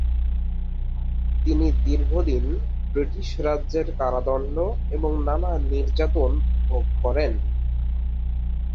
তিনি দীর্ঘদিন ব্রিটিশ রাজের কারাদণ্ড এবং নানা নির্যাতন ভোগ করেন।